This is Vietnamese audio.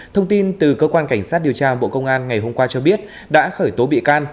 thông tin từ cơ quan cảnh sát điều tra bộ công an ngày hôm qua cho biết đã khởi tố bị can